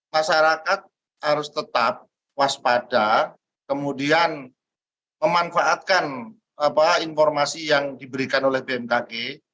masyarakat harus tetap waspada kemudian memanfaatkan informasi yang diberikan oleh bmkg